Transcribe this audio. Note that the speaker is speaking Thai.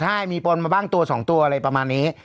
ใช่มีปนมาบ้างตัว๒ตัวอะไรประมาณนี้